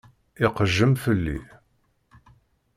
Iqejjem fell-i.